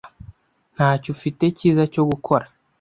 Ntacyo ufite cyiza cyo gukora?